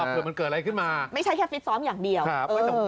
เผื่อมันเกิดอะไรขึ้นมาไม่ใช่แค่ฟิตซ้อมอย่างเดียว